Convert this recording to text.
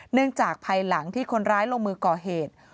จากภายหลังที่คนร้ายลงมือก่อเหตุ